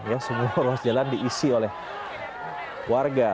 ya semua ruas jalan diisi oleh warga